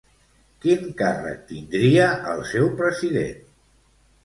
Quin càrrec tindria el seu president?